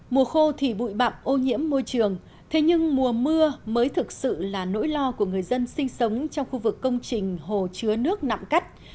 mùa khô thì bụi bạm ô nhiễm môi trường thế nhưng mùa mưa mới thực sự là nỗi lo của người dân sinh sống trong khu vực công trình hồ chứa nước nặng cắt